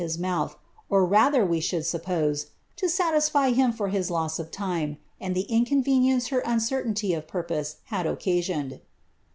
173 Us mouth,' or imther, we should suppose, to satisfy him for his lo^ of lime, mnd the inconTeaience her uncertainty of purpose had occasioned.